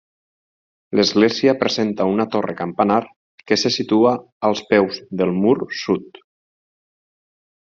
L'església presenta una torre campanar, que se situa als peus del mur sud.